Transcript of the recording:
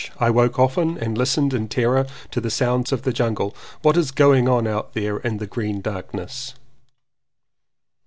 I woke often and listened in terror to the sounds of the jungle. What is going on out there in the green darkness.